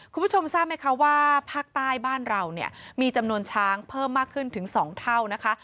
คุณผู้ชมทราบไหมคะว่าภาคใต้บ้านเราเนี่ยมีจำนวนช้างเพิ่มมากขึ้นถึง๒เท่านะคะ